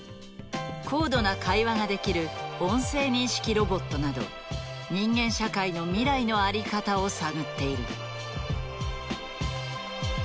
高度な会話ができる音声認識ロボットなど人間社会の未来の在り方を探っている。